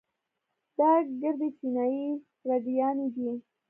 دا ګردې چينايي رنډيانې دي.